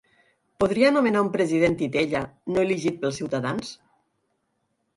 Podria nomenar un president titella, no elegit pels ciutadans?